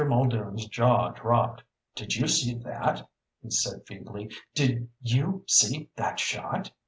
Muldoon's jaw dropped. "Did you see that?" he said feebly. "Did you see that shot?"